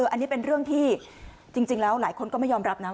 อันนี้เป็นเรื่องที่จริงแล้วหลายคนก็ไม่ยอมรับนะ